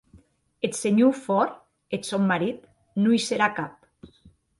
Eth senhor Ford, eth sòn marit, non i serà cap.